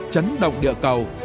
chấn động địa cầu